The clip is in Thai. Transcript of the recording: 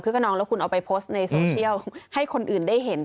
กับน้องแล้วคุณเอาไปโพสต์ในโซเชียลให้คนอื่นได้เห็น